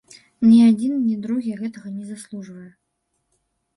Ні адзін, ні другі гэтага не заслужвае.